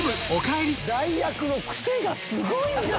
代役の癖がすごいよ！